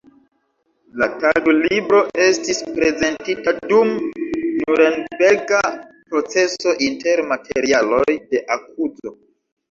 La taglibro estis prezentita dum Nurenberga proceso inter materialoj de akuzo.